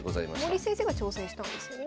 森先生が挑戦したんですよね。